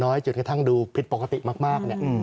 จนกระทั่งดูผิดปกติมากเนี่ย